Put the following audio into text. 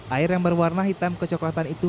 air yang berwarna hitam kecoklatan itu